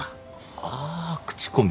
ああ口コミ。